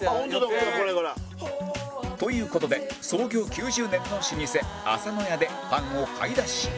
という事で創業９０年の老舗浅野屋でパンを買い出し